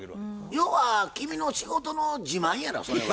要は君の仕事の自慢やろそれは。